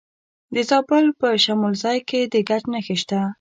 د زابل په شمولزای کې د ګچ نښې شته.